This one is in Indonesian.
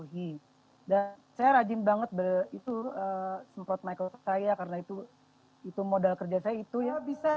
hi dan saya rajin banget beritu semprot michael saya karena itu itu modal kerja itu ya bisa